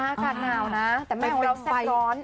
อากาศหนาวแต่แม่งเราแซ่บร้อน